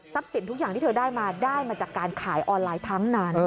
สินทุกอย่างที่เธอได้มาได้มาจากการขายออนไลน์ทั้งนั้น